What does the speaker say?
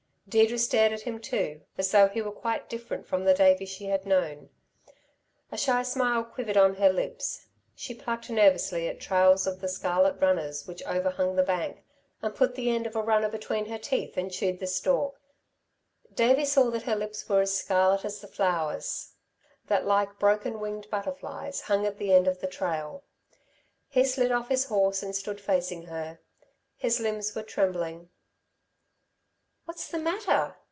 Deirdre stared at him too, as though he were quite different from the Davey she had known. A shy smile quivered on her lips. She plucked nervously at trails of the scarlet runners which overhung the bank, and put the end of a runner between her teeth and chewed the stalk. Davey saw that her lips were as scarlet as the flowers that, like broken winged butterflies, hung at the end of the trail. He slid off his horse and stood facing her. His limbs were trembling. "What's the matter?"